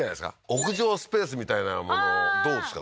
屋上スペースみたいなものどうですか？